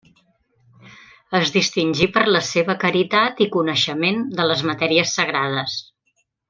Es distingí per la seva caritat i coneixement de les matèries sagrades.